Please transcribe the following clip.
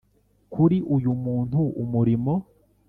Kuri Uyu Muntu Umurimo